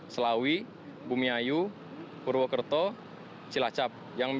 selawi bumiayu purwokerto cilacap